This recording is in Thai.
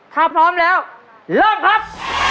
ถ้าพร้อมแล้วเริ่มครับ